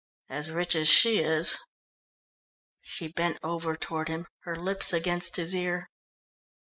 "As rich as she is." She bent over toward him, her lips against his ear.